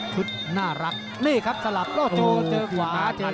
น่ารักนี่ครับสลับโล่โจเจอขวาเจอ